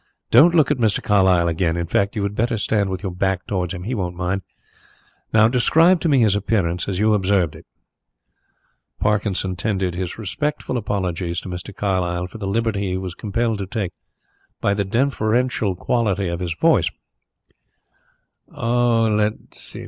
"Don't look at Mr. Carlyle again in fact, you had better stand with your back towards him, he won't mind. Now describe to me his appearance as you observed it." Parkinson tendered his respectful apologies to Mr. Carlyle for the liberty he was compelled to take, by the deferential quality of his voice. "Mr.